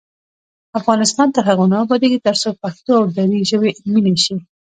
افغانستان تر هغو نه ابادیږي، ترڅو پښتو او دري ژبې علمي نشي.